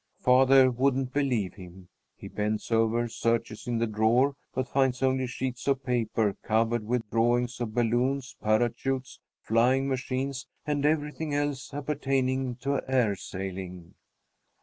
Father wouldn't believe him. He bends over, searches in the drawer, but finds only sheets of paper covered with drawings of balloons, parachutes, flying machines, and everything else appertaining to air sailing.